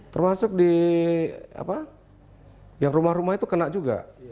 termasuk di yang rumah rumah itu kena juga